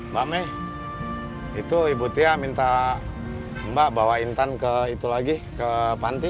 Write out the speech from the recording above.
mbak meh itu ibu tia minta mbak bawa intan ke itu lagi ke panti